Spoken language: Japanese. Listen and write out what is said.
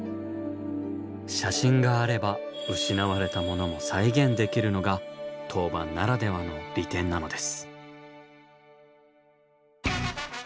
写真があれば失われたものも再現できるのが陶板ならではの利点なのです。